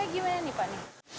ini hasilnya gimana nih pak